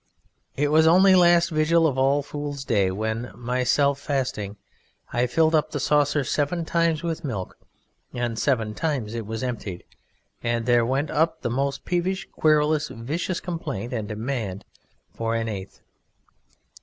It was only last Vigil of All Fools' Day when, myself fasting, I filled up the saucer seven times with milk and seven times it was emptied, and there went up the most peevish, querulous, vicious complaint and demand for an eighth.